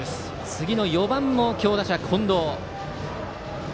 次の４番も強打者の近藤。